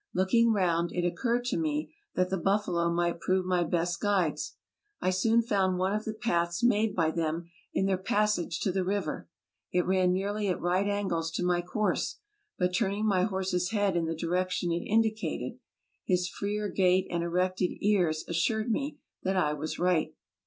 Looking round, it occurred to me that the buffalo might prove my best guides. I soon found one of the paths made by them in their passage to the river ; it ran nearly at right angles to my course; but turning my horse's head in the direction it indicated, his freer gait and erected ears assured me that I was right.